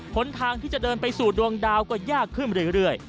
นทางที่จะเดินไปสู่ดวงดาวก็ยากขึ้นเรื่อย